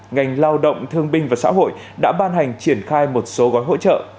ngành lao động thương binh và xã hội đã ban hành triển khai một số gói hỗ trợ